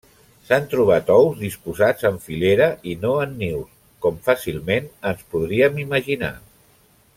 S'han trobat ous disposats en filera i no en nius com fàcilment ens podríem imaginar.